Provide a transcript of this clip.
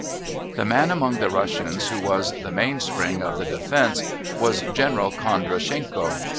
The man among the Russians who was the mainspring of the defence was General Kondrachenko.